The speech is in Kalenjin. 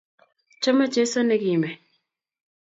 . Chama Jesu ne kime,